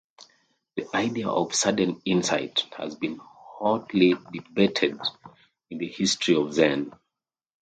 The idea of "sudden insight" has been hotly debated in the history of Zen.